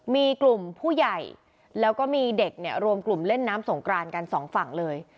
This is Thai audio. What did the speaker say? มีกลุ่มผู้ใหญ่แล้วก็มีเด็กเนี่ยรวมกลุ่มเล่นน้ำสงกรานกันสองฝั่งเลย